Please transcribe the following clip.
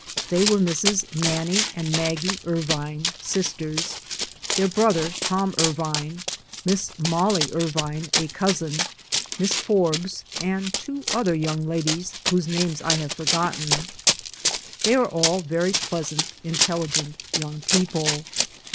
They were Misses Nannie and Maggie Irvine — sisters — their brother, Tom Irvine, Miss Mollie Irvine, a cousin — Miss Forbes, and two other young DAYS ON THE ROAD. 109 ladies, whose names I have forgotten. They are all very pleasant, intelligent young people.